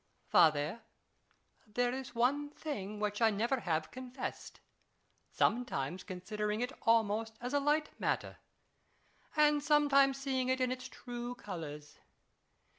Father, there is one thing which I never have confessed ; sometimes considering it almost as a light matter, and sometimes seeing it in its true colours.